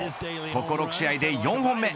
ここ６試合で４本目。